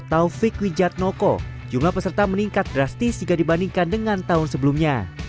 taufik wijatnoko jumlah peserta meningkat drastis jika dibandingkan dengan tahun sebelumnya